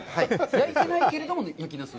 焼いてないけれども、「やきなす」。